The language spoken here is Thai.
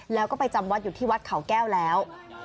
แล้วก็ไปจำวัดอยู่ที่วัดเขาแก้วแล้ว